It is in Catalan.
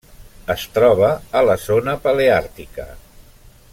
Es troba a la zona paleàrtica.